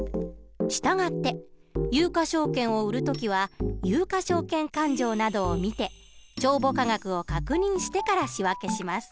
従って有価証券を売る時は有価証券勘定などを見て帳簿価額を確認してから仕訳します。